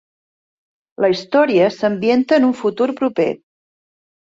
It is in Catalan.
La història s'ambienta en un futur proper.